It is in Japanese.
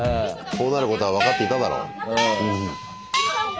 こうなることは分かっていただろ。